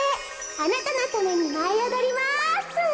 あなたのためにまいおどります！